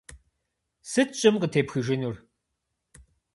Сыт щӏым къытепхыжынур?